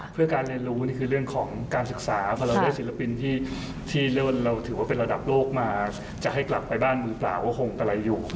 เพื่อการเรียนรู้นี่คือเรื่องของการศึกษาพอเราได้ศิลปินที่เราถือว่าเป็นระดับโลกมาจะให้กลับไปบ้านมือเปล่าก็คงกะไรอยู่